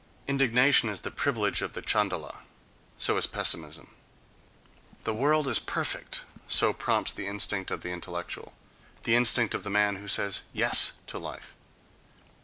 Indigna tion is the privilege of the Chandala; so is pessimism. "The world is perfect"—so prompts the instinct of the intellectual, the instinct of the man who says yes to life.